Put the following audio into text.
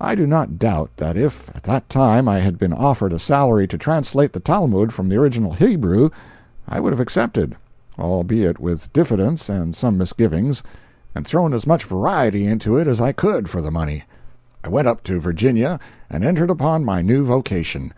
I do not doubt that if, at that time, I had been offered a salary to translate the Talmud from the original Hebrew, I would have accepted—albeit with diffidence and some misgivings—and thrown as much variety into it as I could for the money. 295.jpg (34K) I went up to Virginia and entered upon my new vocation.